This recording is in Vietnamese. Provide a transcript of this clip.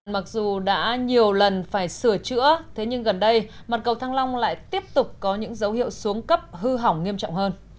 mặc dù đã nhiều lần phải sửa chữa thế nhưng gần đây mặt cầu thăng long lại tiếp tục có những dấu hiệu xuống cấp hư hỏng nghiêm trọng hơn